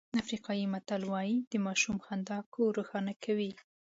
افریقایي متل وایي د ماشوم خندا کور روښانه کوي.